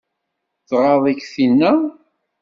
Tɣaḍ-ik tinna?